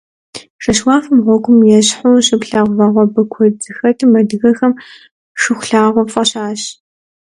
Жэщ уафэм гъуэгум ещхьу щыплъагъу вагъуэбэ куэд зэхэтым адыгэхэм Шыхулъагъуэ фӀащащ.